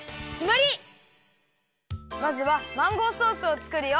まずはマンゴーソースをつくるよ。